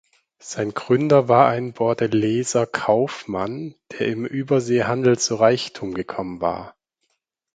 Sein Gründer war ein Bordelaiser Kaufmann, der im Überseehandel zu Reichtum gekommen war.